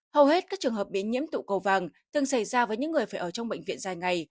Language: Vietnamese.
hầu hết các trường hợp biến nhiễm tụ cầu vàng từng xảy ra với những người phải ở trong bệnh viện dài ngày